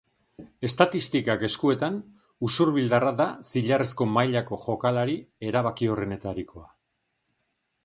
Estatistikak eskuetan, usurbildarra da zilarrezko mailako jokalari erabakiorrenetarikoa.